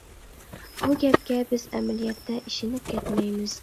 بۇ گەپكە بىز ئەمەلىيەتتە ئىشىنىپ كەتمەيمىز.